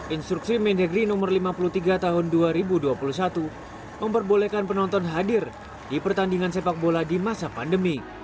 instruksi mendagri no lima puluh tiga tahun dua ribu dua puluh satu memperbolehkan penonton hadir di pertandingan sepak bola di masa pandemi